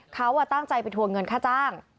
เขาตั้งใจไปทวงเงินค่าจ้าง